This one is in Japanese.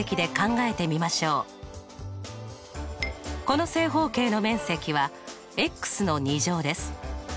この正方形の面積はです。